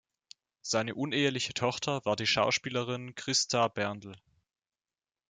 Seine uneheliche Tochter war die Schauspielerin Christa Berndl.